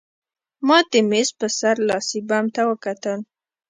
ما د مېز په سر لاسي بم ته وکتل